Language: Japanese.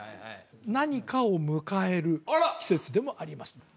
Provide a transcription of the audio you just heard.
何かを迎える季節でもありますあら！